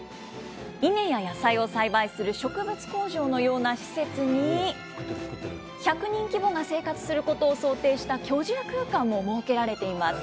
イネや野菜を栽培する植物工場のような施設に、１００人規模が生活することを想定した居住空間も設けられています。